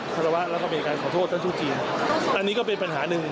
คารวะแล้วก็มีการขอโทษท่านทูตจีนอันนี้ก็เป็นปัญหาหนึ่ง